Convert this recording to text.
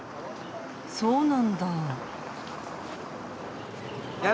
そうなんだ。